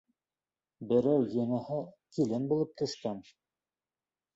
Берәү, йәнәһе, килен булып төшкән!